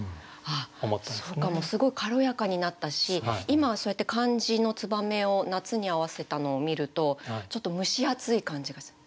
すごい軽やかになったし今はそうやって漢字の「燕」を「夏」に合わせたのを見るとちょっと蒸し暑い感じがする。